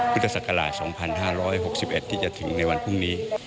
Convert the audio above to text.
พุทธศักราช๒๕๖๑ที่จะถึงในวันพรุ่งนี้